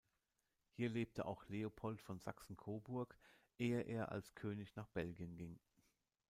Hier lebte auch Leopold von Sachsen-Coburg ehe er als König nach Belgien ging.